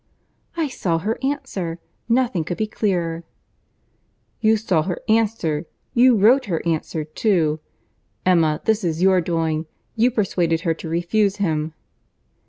"I saw her answer!—nothing could be clearer." "You saw her answer!—you wrote her answer too. Emma, this is your doing. You persuaded her to refuse him."